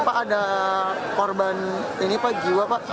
pak ada korban ini pak jiwa pak